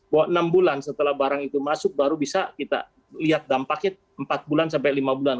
bahwa enam bulan setelah barang itu masuk baru bisa kita lihat dampaknya empat bulan sampai lima bulan